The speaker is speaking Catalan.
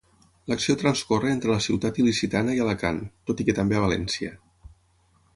L'acció transcorre entre la ciutat il·licitana i Alacant, tot i que també a València.